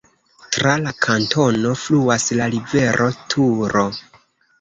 Tra la kantono fluas la rivero Turo.